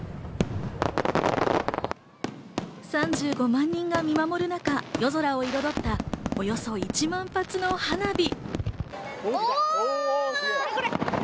３５万人が見守る中、夜空を彩った、およそ１万発の花火。